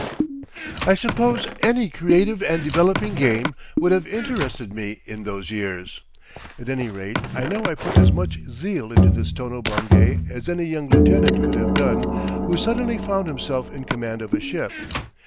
_..." I suppose any creative and developing game would have interested me in those years. At any rate, I know I put as much zeal into this Tono Bungay as any young lieutenant could have done who suddenly found himself in command of a ship.